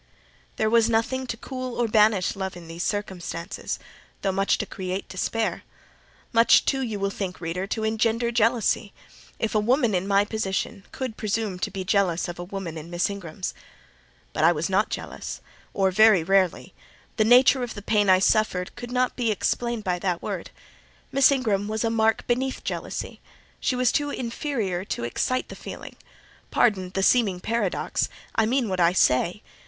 There was nothing to cool or banish love in these circumstances, though much to create despair. Much too, you will think, reader, to engender jealousy: if a woman, in my position, could presume to be jealous of a woman in Miss Ingram's. But I was not jealous: or very rarely;—the nature of the pain I suffered could not be explained by that word. Miss Ingram was a mark beneath jealousy: she was too inferior to excite the feeling. Pardon the seeming paradox; I mean what I say.